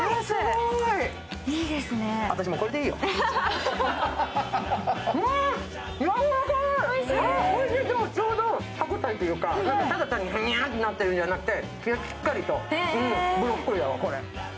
おいしい、ちょうど歯応えというかただ単にへにゃとなってるんじゃなくて、しっかりとブロッコリーだわ、これ。